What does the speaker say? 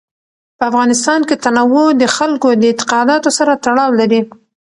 په افغانستان کې تنوع د خلکو د اعتقاداتو سره تړاو لري.